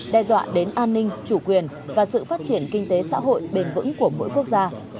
đe dọa đến an ninh chủ quyền và sự phát triển kinh tế xã hội bền vững của mỗi quốc gia